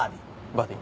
バディ。